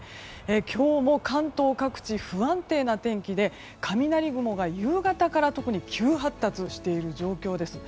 今日も関東各地不安定な天気で雷雲が夕方から特に急発達している状況です。